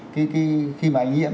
khi mà anh nhiễm